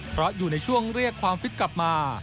เพราะอยู่ในช่วงเรียกความฟิตกลับมา